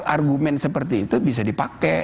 argumen seperti itu bisa dipakai